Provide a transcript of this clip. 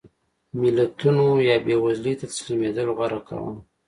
ملتونو یا بېوزلۍ ته تسلیمېدل غوره کاوه.